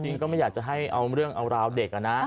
จริงก็ไม่อยากจะให้เอาเรื่องราวเด็กละนะ